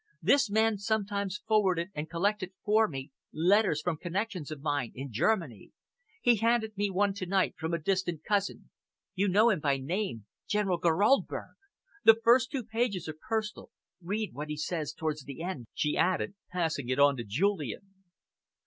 This man has sometimes forwarded and collected for me letters from connections of mine in Germany. He handed me one to night from a distant cousin. You know him by name General Geroldberg. The first two pages are personal. Read what he says towards the end," she added, passing it on to Julian.